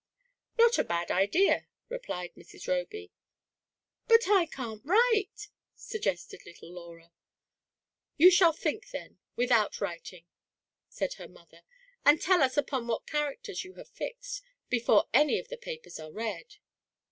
"Not a bad idea^" replied Mrs. Roby. " But I can't write," suggested little Laura. "You shall think, then, without writing," said her mother, "and tell us upon what characters you have fixed, before any of the papers are read."